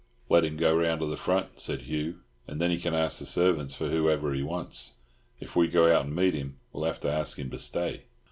"Let him go round to the front," said Hugh, "and then he can ask the servants for whoever he wants. If we go out and meet him, we'll have to ask him to stay."